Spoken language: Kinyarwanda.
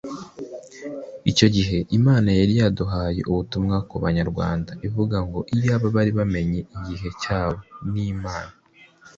Icyo gihe Imana yari yaduhaye ubutumwa ku Banyarwanda ivuga ngo “Iyaba bari bamenye igihe cyabo n’imana”